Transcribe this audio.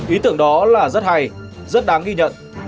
ý tưởng đó là rất hay rất đáng ghi nhận